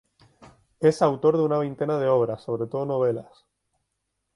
Es autor de una veintena de obras, sobre todo novelas.